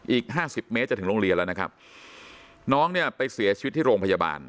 อีกห้าสิบเมตรจะถึงโรงเรียนแล้วนะครับน้องเนี่ยไปเสียชีวิตที่โรงพยาบาล